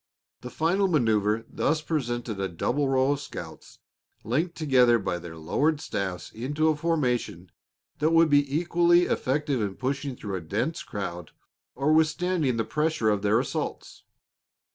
The final manoeuver thus presented a double row of scouts linked together by their lowered staves into a formation that would be equally effective in pushing through a dense crowd or withstanding the pressure of their assaults.